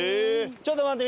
ちょっと待って。